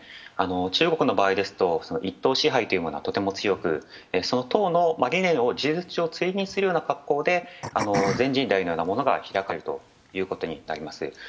中国の場合ですと、１党支配というものはすごく強く、その党の理念を追認するような格好で、全人代のようなものが開かれるということになります。